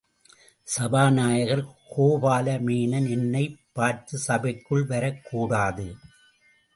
சபாநாயகர் கோபாலமேனன் என்னைப் பார்த்து சபைக்குள் வரக் கூடாது.